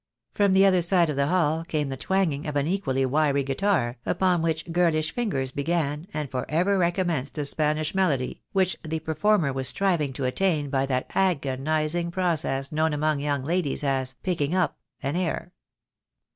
From the other side of the hall came the twanging of an equally wiry guitar, upon which girlish fingers began, and for ever re com menced a Spanish melody, which the performer was striving to attain by that agonizing process known among young ladies as "picking up" an air.